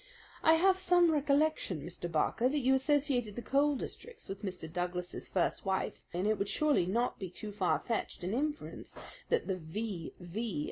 I have some recollection, Mr. Barker, that you associated the coal districts with Mr. Douglas's first wife, and it would surely not be too far fetched an inference that the V.V.